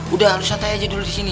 udah harus santai aja dulu di sini